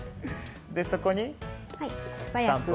そこにスタンプを。